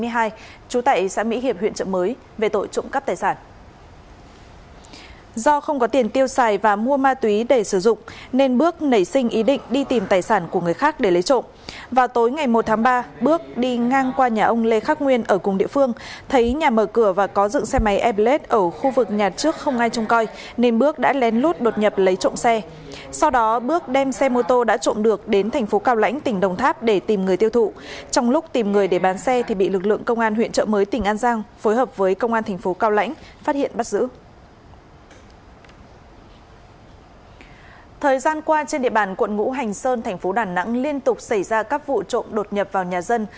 hôm qua trên địa bàn quận ngũ hành sơn thành phố đà nẵng liên tục xảy ra các vụ trộm đột nhập vào nhà dân